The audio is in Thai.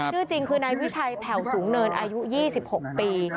คือจริงคือนายวิชัยแผลวสูงเนินอายุยี่สิบหกปี